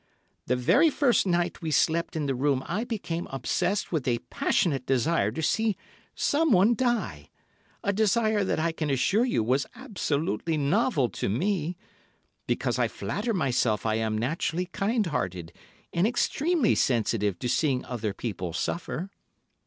The very first night we slept in the room I became obsessed with a passionate desire to see someone die, a desire that I can assure you was absolutely novel to me, because I flatter myself I am naturally kind hearted and extremely sensitive to seeing other people suffer."